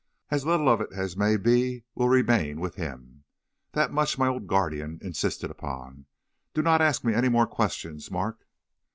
"'As little of it as may be will remain with him. That much my old guardian insisted upon. Do not ask me any more questions, Mark.'